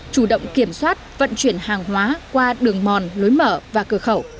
chủ động kiểm soát vận chuyển hàng hóa qua đường mòn lối mở và cửa khẩu